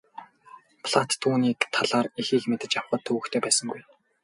Платт түүний талаар ихийг мэдэж авахад төвөгтэй байсангүй.